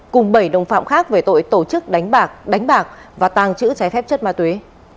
cùng bảy đồng phạm khác về tội tổ chức đánh bạc và tàng trữ trái phép chất ma túy